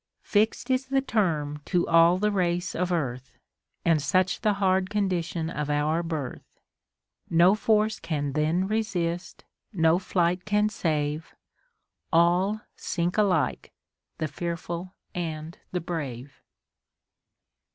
Fix'd is tlie term to all the race of earth, And such the liard condition of our birth : No force can then resist, no flight can save, All sink alike, the fearful and the brave.